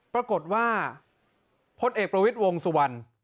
ปรากฏว่าพลเอกประวิทย์วงสุวรรณ